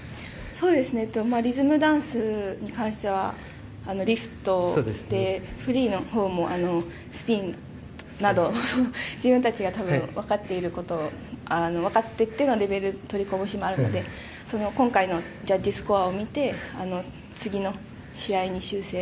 そうですねリズムダンスに関してはリフトでフリーの方もスピンなど自分たちが多分わかっている事をわかっててのレベルとりこぼしもあるので今回のジャッジスコアを見て次の試合に修正。